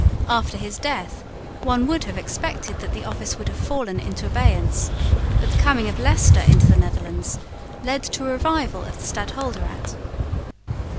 After his death one would have expected that the office would have fallen into abeyance, but the coming of Leicester into the Netherlands led to a revival of the stadholderate.